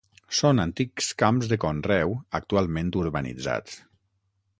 Són antics camps de conreu, actualment urbanitzats.